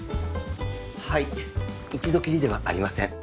はい一度きりではありません。